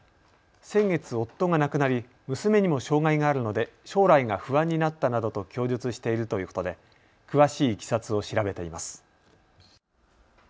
先月、夫が亡くなり娘にも障害があるので将来が不安になったなどと供述しているということで詳しいいきさつを調べています。